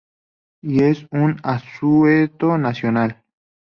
Y es un asueto nacional.